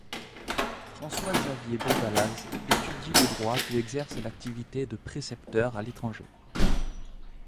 François-Xavier Bondallaz étudie le droit puis exerce l’activité de précepteur à l’étranger.